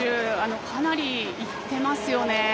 かなりきてますよね。